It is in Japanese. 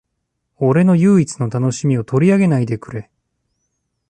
俺の唯一の楽しみを取り上げないでくれ